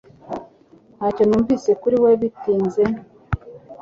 Ntacyo numvise kuri we bitinze